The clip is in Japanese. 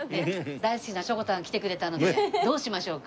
大好きなしょこたんが来てくれたのでどうしましょうか？